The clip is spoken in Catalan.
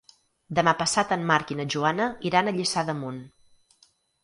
Demà passat en Marc i na Joana iran a Lliçà d'Amunt.